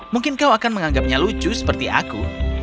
mungkin kau akan menganggapnya lucu seperti aku